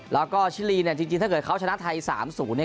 แล้วก็ชิลีเนี่ยจริงจริงถ้าเกิดเขาชนะไทยสามศูนย์เนี่ย